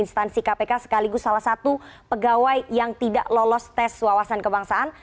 dan instansi kpk sekaligus salah satu pegawai yang tidak lolos tes wawasan kebangsaan